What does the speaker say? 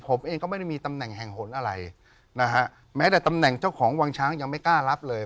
ผมเองก็ไม่ได้มีตำแหน่งแห่งหนอะไรนะฮะแม้แต่ตำแหน่งเจ้าของวังช้างยังไม่กล้ารับเลย